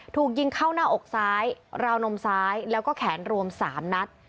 ถูกยิงเข้าหน้าอกซ้ายราวนมซ้ายแล้วก็แขนรวม๓นัด